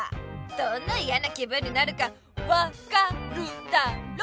どんないやな気分になるか分かるだろ！